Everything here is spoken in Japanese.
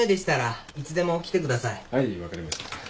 はい分かりました。